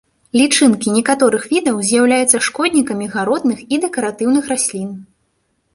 Лічынкі некаторых відаў з'яўляюцца шкоднікамі гародных і дэкаратыўных раслін.